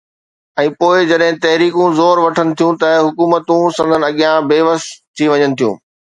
۽ پوءِ جڏهن تحريڪون زور وٺن ٿيون ته حڪومتون سندن اڳيان بي وس ٿي وڃن ٿيون.